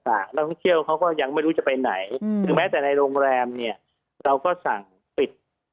นักท่องเที่ยวเขาก็ยังไม่รู้จะไปไหนถึงแม้แต่ในโรงแรมเนี่ยเราก็สั่งปิด